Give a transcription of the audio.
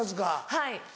はい。